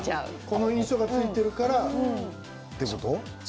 このいい印象がついているからということ？